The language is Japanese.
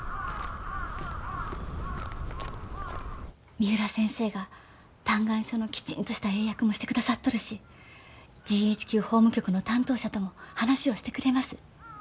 三浦先生が嘆願書のきちんとした英訳もして下さっとるしＧＨＱ法務局の担当者とも話をしてくれます。